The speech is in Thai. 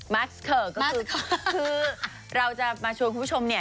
มัสเคอร์ก็คือคือเราจะมาชวนคุณผู้ชมเนี่ย